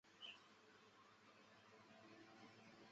芝麻三壳灰介为半花介科三壳灰介属下的一个种。